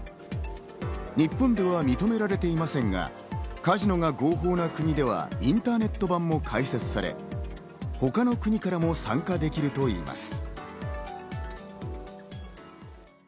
日本では認められていませんが、カジノが合法な国ではインターネット版も開設され、他の国からでも参加することができるといいます。